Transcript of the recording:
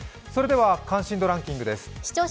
関心度ランキングです。